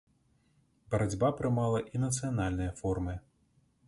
Барацьба прымала і нацыянальныя формы.